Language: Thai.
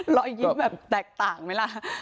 รอยยิ้มแบบแตกต่างไหมล่ะ